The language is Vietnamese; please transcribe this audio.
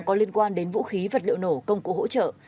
có liên quan đến vũ khí vật liệu nổ công cụ hỗ trợ